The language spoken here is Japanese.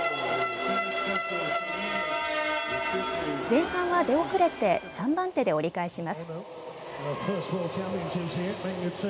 前半は出遅れて３番手で折り返します。